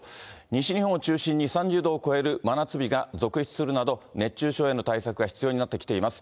西日本を中心に３０度を超える真夏日が続出するなど、熱中症への対策が必要になってきています。